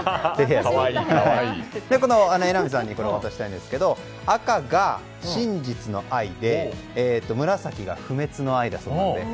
榎並さんにこれを渡したいんですが赤が真実の愛で紫は不滅の愛だそうです。